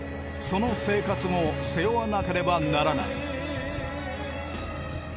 その生活も背負わなければならない。